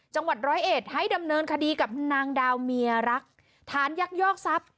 จังหวัดร้อยเอ็ดให้ดำเนินคดีกับนางดาวเมียรักฐานยักยอกทรัพย์